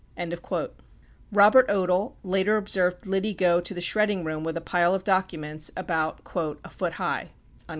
70 Robert Odle later observed Liddy go to the shredding room with a pile of documents about "a foot high."